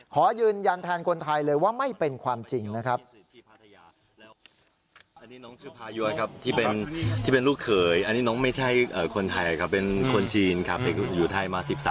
ขอยืนยันแทนคนไทยเลยว่าไม่เป็นความจริงนะครับ